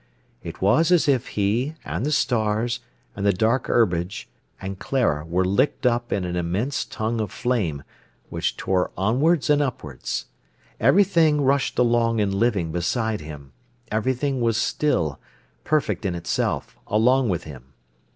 It was as if he, and the stars, and the dark herbage, and Clara were licked up in an immense tongue of flame, which tore onwards and upwards. Everything rushed along in living beside him; everything was still, perfect in itself, along with him.